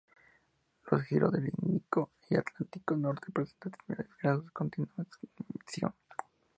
Los giros del Índico y el Atlántico Norte presentan similares grados de contaminación.